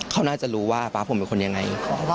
เขาน่าจะรู้ว่าฟ้าผมเป็นคนยังไง